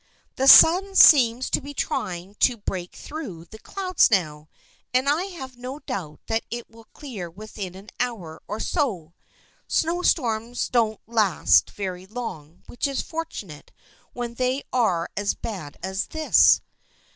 " The sun seems to be trying to break through the clouds now, and I have no doubt that it will clear within an hour or so. Snow storms don't last very long, which is fortunate when they are as bad as this.